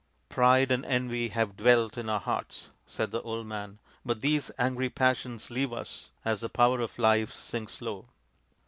" Pride and envy have dwelt in our hearts/' said the old man, " but these angry passions leave us as the power of life sinks low.